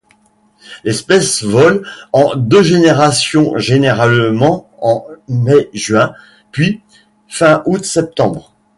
L'espèce vole en deux générations, généralement en mai-juin puis fin août-septembre.